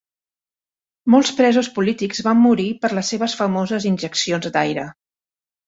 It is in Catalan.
Molts presos polítics van morir per les seves famoses injeccions d'aire.